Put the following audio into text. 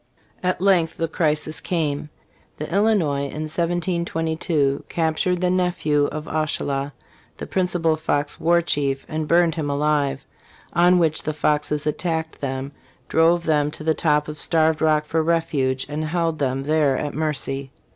* At length the crisis came. The Illinois in 1722 captured the nephew of Oushala, the principal Fox war chief, and burned him alive; on which the Foxes attacked them, drove them to the top of Starved Rock for refuge, and held them there at mercy.